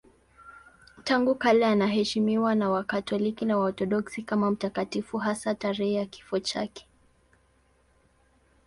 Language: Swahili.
Tangu kale anaheshimiwa na Wakatoliki na Waorthodoksi kama mtakatifu, hasa tarehe ya kifo chake.